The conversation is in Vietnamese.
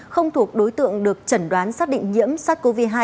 không thuộc đối tượng được chẩn đoán xác định nhiễm sars cov hai